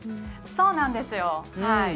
そうなんですよ。